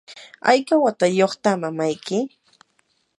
¿hayka watayuqta mamayki?